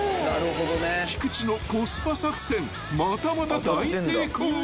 ［菊地のコスパ作戦またまた大成功］